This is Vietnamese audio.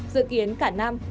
dự kiến cả năm